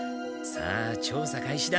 さあ調査開始だ。